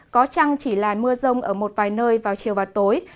có chăng chỉ là mưa rông ở một vài nơi vào chiều và tối